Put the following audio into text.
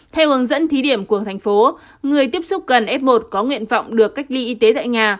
theo hướng dẫn thí điểm của thành phố người tiếp xúc gần f một có nguyện vọng được cách ly y tế tại nhà